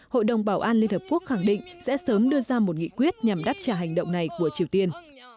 hội đồng bảo an liên hợp quốc khẳng định sẽ sớm đưa ra một nghị quyết nhằm đáp trả hành động này của triều tiên